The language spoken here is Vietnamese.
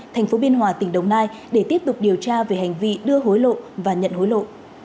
thành phố biên hòa tỉnh đồng nai để tiếp tục điều tra về hành vi đưa hối lộ và nhận hối lộ